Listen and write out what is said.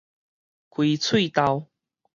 開喙豆